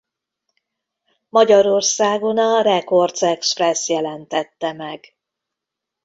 Magyarországon a Records Express jelentette meg.